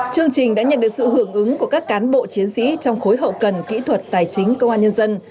chương trình đã nhận được sự hưởng ứng của các cán bộ chiến sĩ trong khối hậu cần kỹ thuật tài chính công an nhân dân